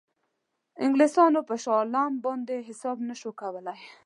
انګلیسانو پر شاه عالم باندې حساب نه شو کولای.